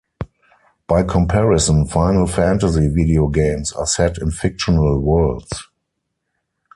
By comparison, "Final Fantasy" video games are set in fictional worlds.